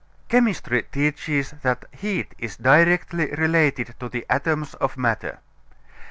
Chemistry teaches that heat is directly related to the atoms of matter.